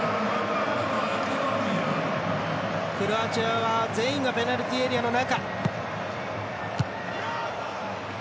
クロアチアは全員がペナルティーエリアの中。